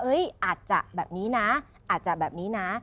อาจจะแบบนี้นะอาจจะแบบนี้นะ